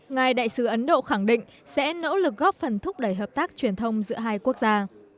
ngài đại sứ ấn độ khẳng định sẽ nỗ lực góp phần thúc đẩy hợp tác truyền thông giữa hai quốc gia